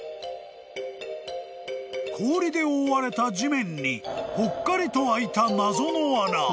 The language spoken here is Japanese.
［氷で覆われた地面にぽっかりと開いた］